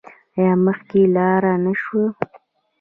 آیا مخکې لاړ نشو؟